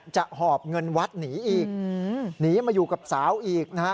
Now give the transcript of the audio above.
หอบเงินวัดหนีอีกหนีมาอยู่กับสาวอีกนะฮะ